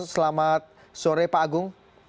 selamat sore pak agung